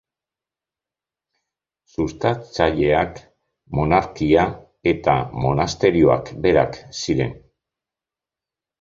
Sustatzaileak monarkia eta monasterioak berak ziren.